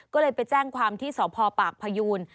ก็เลยไปแจ้งความที่สพปากพยูน